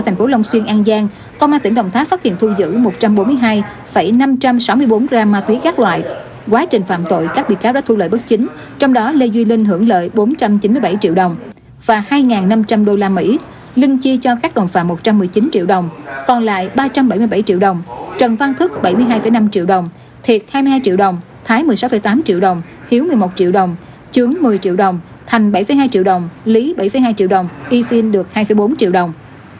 trong đó trong xuyên an giang con ma tỉnh đồng thá phát hiện thu giữ một trăm bốn mươi hai năm trăm sáu mươi bốn gram ma tuyến các loại quá trình phạm tội các bị cáo đã thu lợi bất chính trong đó lê duy linh hưởng lợi bốn trăm chín mươi bảy triệu đồng và hai năm trăm linh đô la mỹ linh chia cho các đồng phạm một trăm một mươi chín triệu đồng còn lại ba trăm bảy mươi bảy triệu đồng trần văn thức bảy mươi hai năm triệu đồng thiệt hai mươi hai triệu đồng thái một mươi sáu tám triệu đồng hiếu một mươi một triệu đồng trướng một mươi triệu đồng thành bảy hai triệu đồng lý bảy hai triệu đồng y phiên được hai bốn triệu đồng